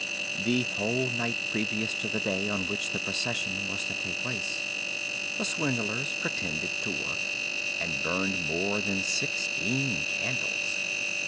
The whole night previous to the day on which the procession was to take place, the swindlers pretended to work, and burned more than sixteen candles.